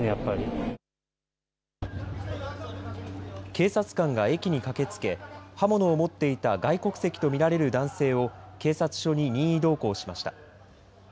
警察官が駅に駆けつけ刃物を持っていた外国籍と見られる男性を警察署に任意同行しました。